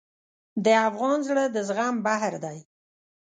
د افغان زړه د زغم بحر دی.